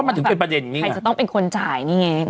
ใครจะต้องเป็นคนจ่าย